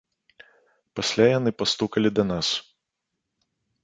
Пасля яны пастукалі да нас.